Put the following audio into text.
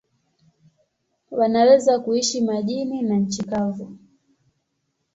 Wanaweza kuishi majini na nchi kavu.